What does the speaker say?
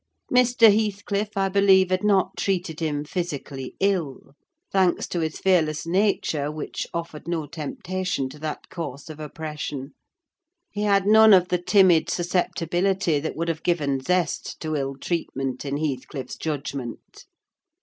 Mr. Heathcliff, I believe, had not treated him physically ill; thanks to his fearless nature, which offered no temptation to that course of oppression: he had none of the timid susceptibility that would have given zest to ill treatment, in Heathcliff's judgment.